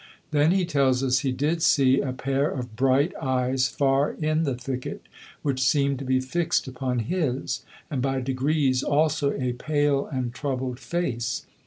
Then, he tells us, he did see a pair of bright eyes far in the thicket, which seemed to be fixed upon his, and by degrees also a pale and troubled face.